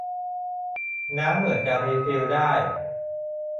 น้ำเหมือนจะรีฟิลได้